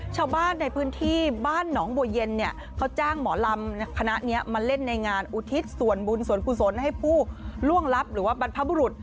ชาวบ้านในพื้นที่บ้านหนองบัวเย็นเนี่ยเขาจ้างหมอลำคณะนี้มาเล่นในงานอุทิศส่วนบุญส่วนกุศลให้ผู้ล่วงลับหรือว่าบรรพบุรุษ